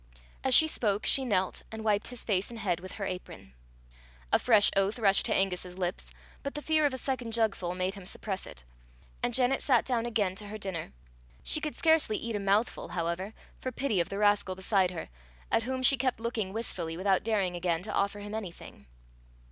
As she spoke, she knelt, and wiped his face and head with her apron. A fresh oath rushed to Angus's lips, but the fear of a second jugful made him suppress it, and Janet sat down again to her dinner. She could scarcely eat a mouthful, however, for pity of the rascal beside her, at whom she kept looking wistfully without daring again to offer him anything.